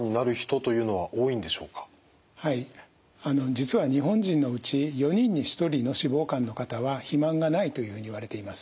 実は日本人のうち４人に１人の脂肪肝の方は肥満がないというふうにいわれています。